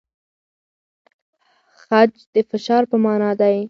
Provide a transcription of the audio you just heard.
خج د فشار په مانا دی؟